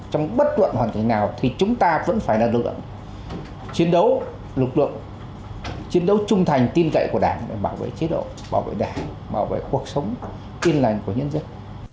trong bất luận hoàn cảnh nào thì chúng ta vẫn phải là lực lượng chiến đấu lực lượng chiến đấu trung thành tin cậy của đảng để bảo vệ chế độ bảo vệ đảng bảo vệ cuộc sống tin lành của nhân dân